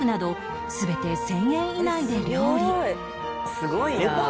すごいなあ。